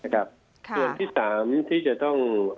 ส่วนที่๓ที่จะต้อง